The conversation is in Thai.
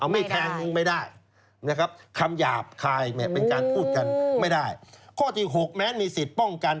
ไม่ได้นะครับคำหยาบคายเป็นการพูดกันไม่ได้ข้อที่๖แม้นมีสิทธิ์ป้องกัน